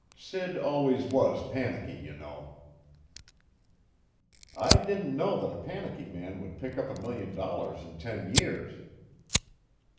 Sid always was panicky, you know." "I didn't know that a panicky man could pick up a million dollars in ten years."